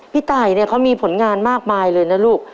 พี่ตายเนี่ยเขามีผลงานมากมายเลยนะลูก